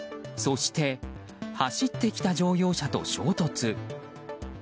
そして、走ってきた乗用車と衝突。